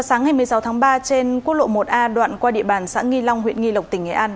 sáng ngày một mươi sáu tháng ba trên quốc lộ một a đoạn qua địa bàn xã nghi long huyện nghi lộc tỉnh nghệ an